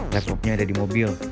laptopnya ada di mobil